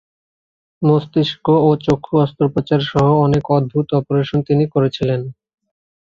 মস্তিষ্ক ও চক্ষু অস্ত্রোপচার সহ অনেক অদ্ভুত অপারেশন তিনি করেছিলেন।